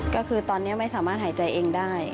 ก็คือตอนนี้ไม่สามารถหายใจเองได้